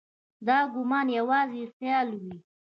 دا ګومان یوازې خیال وي.